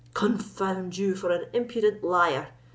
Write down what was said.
"Confound you for an impudent liar!"